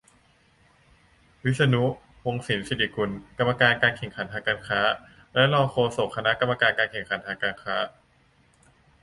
- วิษณุ วงศ์สินศิริกุล กรรมการการแข่งขันทางการค้า และรองโฆษกคณะกรรมการการแข่งขันทางการค้า